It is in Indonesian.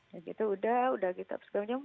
ya gitu udah udah gitu